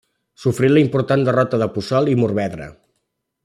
Sofrí la important derrota de Puçol i Morvedre.